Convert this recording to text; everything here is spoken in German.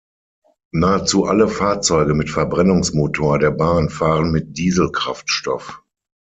Nahezu alle Fahrzeuge mit Verbrennungsmotor der Bahn fahren mit Dieselkraftstoff.